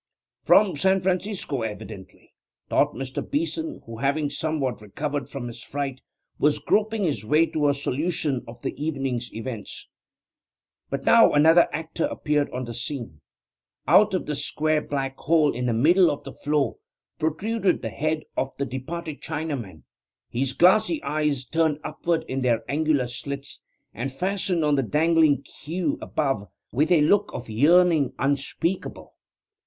'From San Francisco, evidently,' thought Mr. Beeson, who having somewhat recovered from his fright was groping his way to a solution of the evening's events. But now another actor appeared upon the scene. Out of the square black hole in the middle of the floor protruded the head of the departed Chinaman, his glassy eyes turned upward in their angular slits and fastened on the dangling queue above with a look of yearning unspeakable.